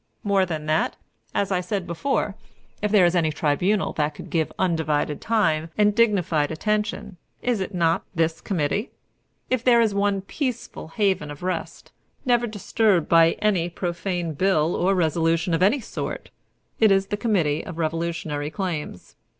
More than that, as I said before, if there is any tribunal that could give undivided time and dignified attention, is it not this committee? If there is one peaceful haven of rest, never disturbed by any profane bill or resolution of any sort, it is the Committee on Revolutionary Claims.